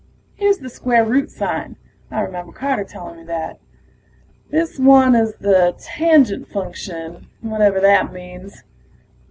Here's the square root sign, I remember Carter telling me that. This one is the Tangent Function, whatever that means.